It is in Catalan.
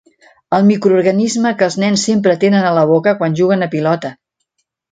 El microorganisme que els nens sempre tenen a la boca quan juguen a pilota.